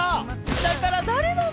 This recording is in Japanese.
だから誰なの！